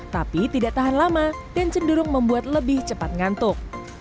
tapi tidak tahan lama dan cenderung membuat lebih cepat ngantuk